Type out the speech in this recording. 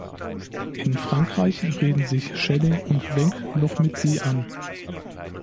In Frankreich reden sich Schelling und Wenk noch mit Sie an.